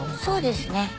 そうですね。